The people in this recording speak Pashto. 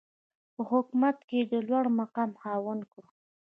په حکومت کې د لوړمقام خاوند کړ.